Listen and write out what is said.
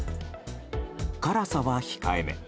辛さは控えめ。